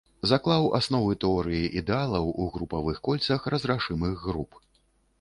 Заклаў асновы тэорыі ідэалаў у групавых кольцах разрашымых груп.